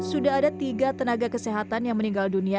sudah ada tiga tenaga kesehatan yang meninggal dunia